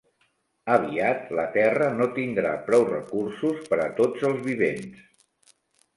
Aviat la terra no tindrà prou recursos per a tots els vivents.